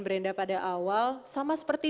berenda pada awal sama seperti